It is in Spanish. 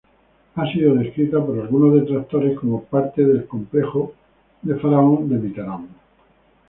Ha sido descrita por algunos detractores como parte del "complejo de faraón" de Mitterrand.